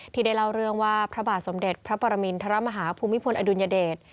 ที่ได้เล่าเรื่องว่าพระบาทสมเด็จพระปรมินทรมาฮาภูมิพลอดุลยเดช